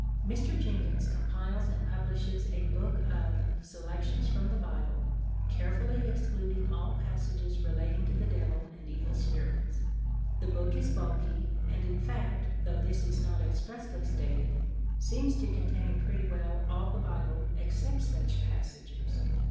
Mr. Jenkins compiles and publishes a book of "Selections from the Bible," carefully excluding all passages relating to the Devil and evil spirits. The book is bulky; and, in fact, though this is not expressly stated, seems to contain pretty well all the Bible except such passages.